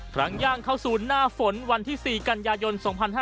อย่างย่างเข้าสู่หน้าฝนวันที่๔กันยายน๒๕๕๙